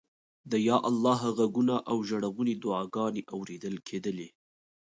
د یا الله غږونه او ژړغونې دعاګانې اورېدل کېدلې.